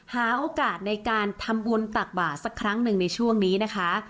หาโอกาสในการทำบุญตักบาทสักครั้งหนึ่งในช่วงนี้นะคะ